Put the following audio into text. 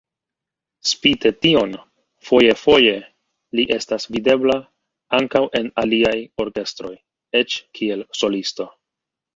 Spite tion foje-foje li estas videbla ankaŭ en aliaj orkestroj, eĉ kiel solisto.